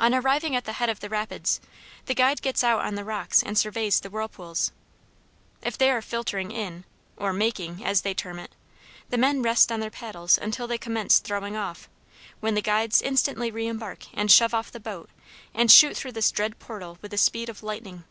On arriving at the head of the rapids, the guide gets out on the rocks and surveys the whirlpools. If they are filtering in or "making," as they term it the men rest on their paddles until they commence throwing off, when the guides instantly reembark, and shove off the boat and shoot through this dread portal with the speed of lightning.